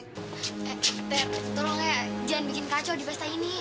oke tolong ya jangan bikin kacau di pesta ini